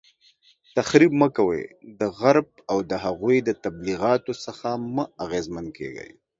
تخریب مه کوئ، د غرب او د هغوی د تبلیغاتو څخه مه اغیزمن کیږئ